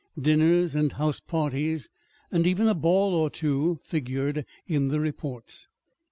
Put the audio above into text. Dinners and house parties, and even a ball or two, figured in the reports.